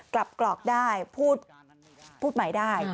กลับกรอกได้พูดหมายได้